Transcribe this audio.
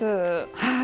はい。